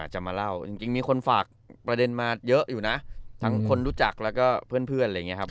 จริงมีคนฝากประเด็นมาเยอะอยู่นะทั้งคนรู้จักแล้วก็เพื่อน